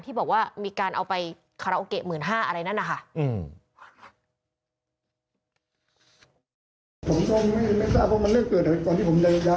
ที่บอกว่ามีการเอาไปขระโอเกะหมื่นห้าอะไรนั่นนะคะ